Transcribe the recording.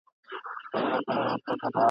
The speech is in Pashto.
او پر غوږونو یې د رباب د شرنګ !.